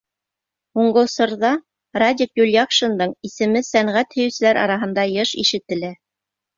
Һуңғы осорҙа Радик Юлъяҡшиндың исеме сәнғәт һөйөүселәр араһында йыш ишетелә.